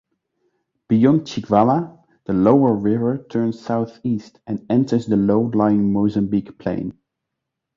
Beyond Chikwawa, the lower river turns southeast and enters the low-lying Mozambique plain.